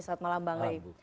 selamat malam bang ray